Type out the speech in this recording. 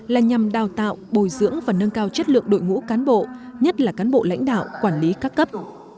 là nhằm đào tạo bồi dưỡng và nâng cao chất lượng đội ngũ cán bộ nhất là cán bộ lãnh đạo quản lý các cấp